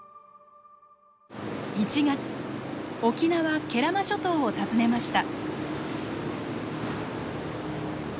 沖縄慶良間諸島を訪ねました。